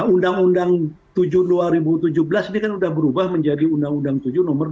undang undang tujuh dua ribu tujuh belas ini kan udah berubah menjadi undang undang tujuh nomor dua ribu dua puluh tiga